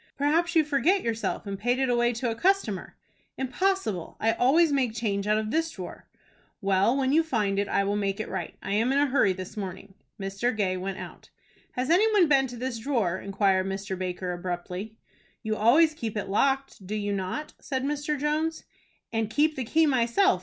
"Perhaps you forget yourself, and paid it away to a customer." "Impossible; I always make change out of this drawer." "Well, when you find it, I will make it right. I am in a hurry this morning." Mr. Gay went out. "Has any one been to this drawer?" inquired Mr. Baker, abruptly. "You always keep it locked, do you not?" said Mr. Jones. "And keep the key myself.